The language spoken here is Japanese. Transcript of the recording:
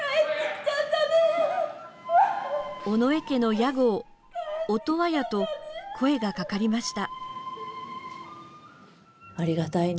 屋号、音羽屋と声がかかりました。